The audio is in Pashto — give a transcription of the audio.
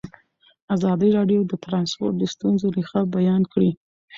ازادي راډیو د ترانسپورټ د ستونزو رېښه بیان کړې.